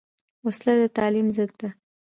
وسله د تعلیم ضد ده